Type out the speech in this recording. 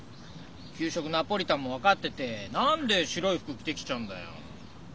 きゅう食ナポリタンも分かってて何で白いふくきてきちゃうんだよ？